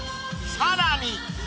さらに！